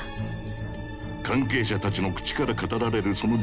関係者たちの口から語られるその実像は真っ二つ。